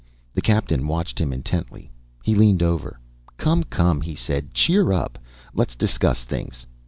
The Captain watched him intently. He leaned over. "Come, come," he said. "Cheer up! Let's discuss things."